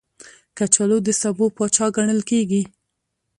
کچالو د سبو پاچا ګڼل کېږي